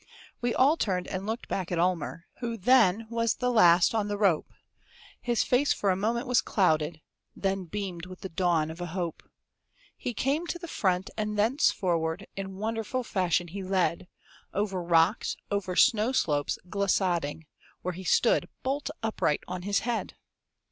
We all turned and looked back at Almer. Who then was the last on the rope; His face for a moment was clouded, Then beamed with the dawn of a hope; He came to the front, and thence forward In wonderful fashion he led, Over rocks, over snow slopes glissading, While he stood, bolt upright on his head!